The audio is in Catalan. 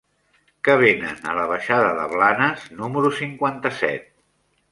Què venen a la baixada de Blanes número cinquanta-set?